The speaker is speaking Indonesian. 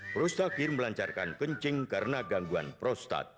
prostakir melancarkan kencing karena gangguan prostat